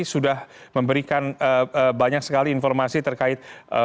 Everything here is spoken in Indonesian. sudah memberikan banyak sekali informasi terkait